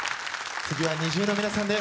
次はＮｉｚｉＵの皆さんです。